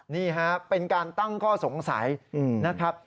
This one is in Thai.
นี่ฮะเป็นการตั้งข้อสงสัยนะครับ